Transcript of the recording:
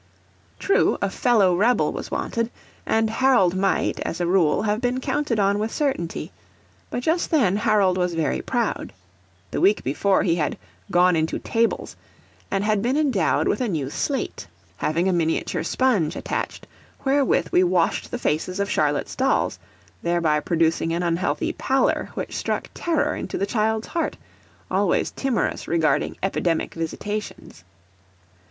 True, a fellow rebel was wanted; and Harold might, as a rule, have been counted on with certainty. But just then Harold was very proud. The week before he had "gone into tables," and had been endowed with a new slate, having a miniature sponge attached, wherewith we washed the faces of Charlotte's dolls, thereby producing an unhealthy pallor which struck terror into the child's heart, always timorous regarding epidemic visitations.